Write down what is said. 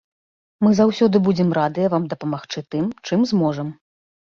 Мы заўсёды будзем радыя вам дапамагчы тым, чым зможам.